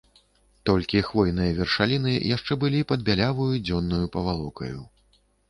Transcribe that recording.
Толькі хвойныя вяршаліны яшчэ былі пад бяляваю дзённаю павалокаю.